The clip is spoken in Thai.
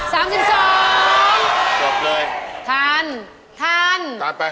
หยุดเลย